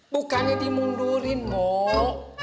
bukannya dimundurin mok